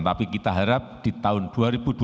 tapi kita harap di tahun dua ribu dua puluh tiga juga masih